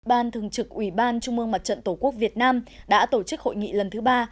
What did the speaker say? ban thường trực ủy ban trung mương mặt trận tổ quốc việt nam đã tổ chức hội nghị lần thứ ba